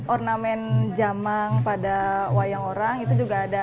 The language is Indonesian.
ornamen jamang pada wayang orang itu juga ada